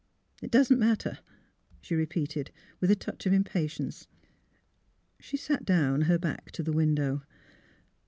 '' It doesn't matter," she repeated, with a touch of im patience. She sat down, her back to the window.